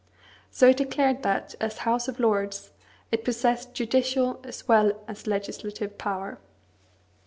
So it declared that, as House of Lords, it possessed judicial as well as legislative power.